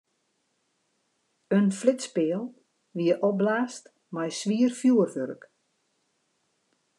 In flitspeal wie opblaasd mei swier fjurwurk.